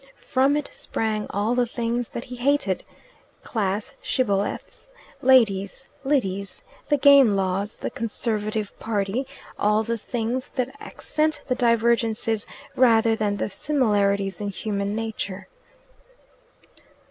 From it sprang all the things that he hated class shibboleths, ladies, lidies, the game laws, the Conservative party all the things that accent the divergencies rather than the similarities in human nature.